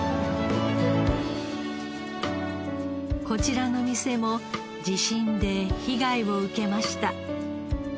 こちらの店も地震で被害を受けました。